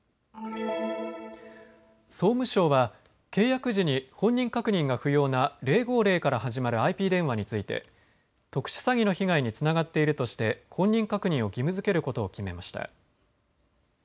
総務省は契約時に本人確認が不要な０５０から始まるＩＰ電話について特殊詐欺の被害につながっているとして本人確認を義務づけることを決めました。